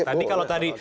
tadi kalau tadi